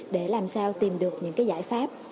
để làm sao tìm được những cái giải pháp